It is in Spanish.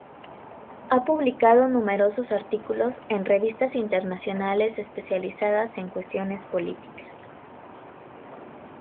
Ha publicado numerosos artículos en revistas internacionales especializadas en cuestiones políticas.